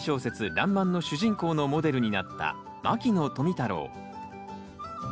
「らんまん」の主人公のモデルになった牧野富太郎。